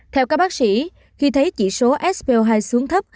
theo các bác sĩ khi thấy chỉ số sp hai xuống thấp